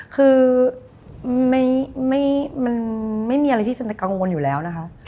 คือมันไม่มีอะไรที่จะกังวลอยู่แล้วนะคะ